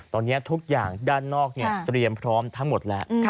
ตอนนี้ทุกอย่างด้านนอกเตรียมพร้อมทั้งหมดแล้ว